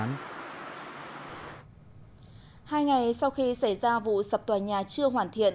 hai ngày sau khi xảy ra vụ sập tòa nhà chưa hoàn thiện